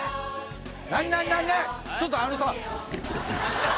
何何何ちょっとあのさ。